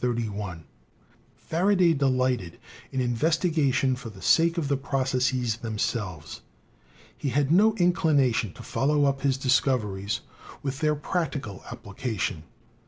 Faraday delighted in investigation for the sake of the processes themselves. He had no inclination to follow up his discoveries with their practical application.